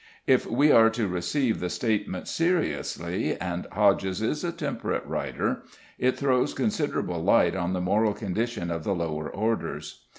If we are to receive the statement seriously (and Hodges is a temperate writer), it throws considerable light on the moral condition of the lower orders.